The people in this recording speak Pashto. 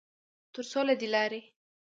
ترڅوله دې لارې